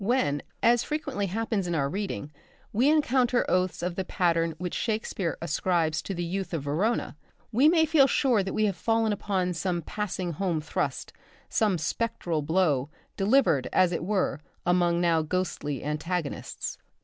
When, as frequently happens in our reading, we encounter oaths of the pattern which Shakespeare ascribes to the youth of Verona, we may feel sure we have fallen upon some passing home thrust, some spectral blow, delivered, as it were, among now ghostly antagonists.